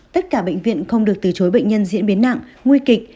tất cả bệnh viện không được từ chối bệnh nhân diễn biến nặng nguy kịch